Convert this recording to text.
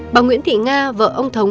bà nguyễn thị nga vợ ông thống